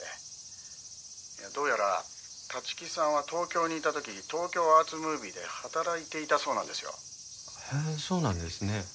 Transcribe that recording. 「どうやら立木さんは東京にいた時東京アーツムービーで働いていたそうなんですよ」へえそうなんですね。